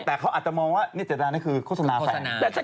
แต่ฉันก็ไม่ได้เงินจัดโฆษณามาไง